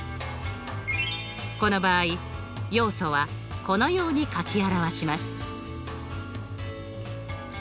この場合要素はこのように書き表します。